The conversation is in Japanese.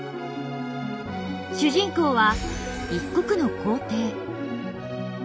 主人公は一国の皇帝。